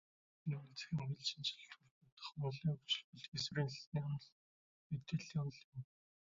Энэ үеийн цахим хэлшинжлэлд холбогдох онолын хөгжил бол хийсвэр хэлний онол, мэдээллийн онол юм.